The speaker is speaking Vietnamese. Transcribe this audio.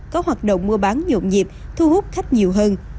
có hoạt động mua bán dộn dịp thu hút khách nhiều hơn